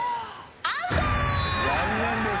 アウト。